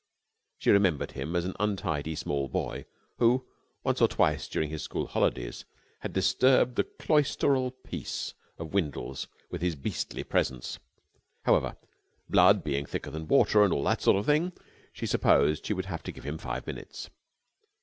She remembered him as an untidy small boy who, once or twice, during his school holidays, had disturbed the cloistral peace of Windles with his beastly presence. However, blood being thicker than water, and all that sort of thing, she supposed she would have to give him five minutes.